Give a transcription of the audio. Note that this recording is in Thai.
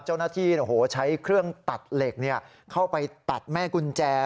เจ้าหน้าที่ใช้เครื่องตัดเหล็กเข้าไปตัดแม่กุญแจ